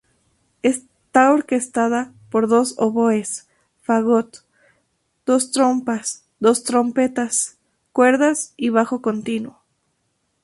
Está orquestada para dos oboes, fagot, dos trompas, dos trompetas, cuerdas y bajo continuo.